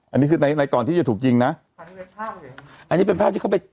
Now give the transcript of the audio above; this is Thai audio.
อันนี้คือในในก่อนที่จะถูกยิงนะอันนี้เป็นภาพเลยอันนี้เป็นภาพที่เขาไป